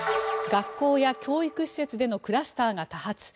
学校や教育施設でのクラスターが多発。